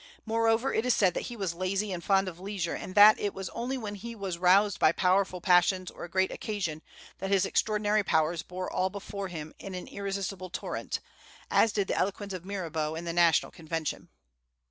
Moreover, it is said that he was lazy and fond of leisure, and that it was only when he was roused by powerful passions or a great occasion that his extraordinary powers bore all before him in an irresistible torrent, as did the eloquence of Mirabeau in the National Convention.